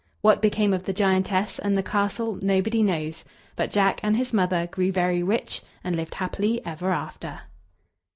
What became of the giantess and the castle nobody knows. But Jack and his mother grew very rich, and lived happy ever after.